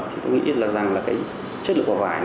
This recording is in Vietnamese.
thì tôi nghĩ là rằng là cái chất lượng quả vải